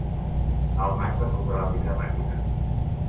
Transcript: Al maig van comprar la primera màquina.